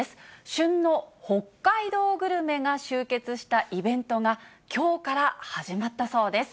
旬の北海道グルメが集結したイベントが、きょうから始まったそうです。